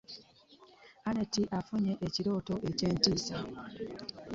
Annet afunye ekirooto eky'entisa.